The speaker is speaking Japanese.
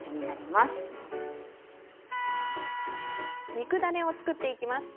肉ダネを作っていきます。